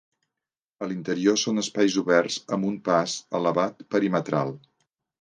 A l'interior són espais oberts amb un pas elevat perimetral.